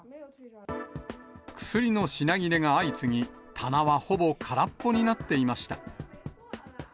薬の品切れが相次ぎ、棚はほぼ空っぽになっていました。